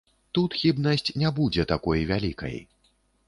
Тут хібнасць не будзе такой вялікай.